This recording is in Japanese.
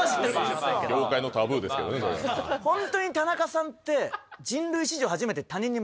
ホントに田中さんって。